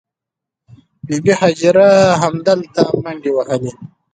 بې بي هاجرې همدلته منډې وهلې.